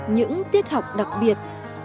những tiết học đặc biệt